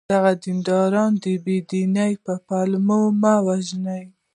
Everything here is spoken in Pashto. دغه دینداران د بې دینی په پلمو مه وژنه!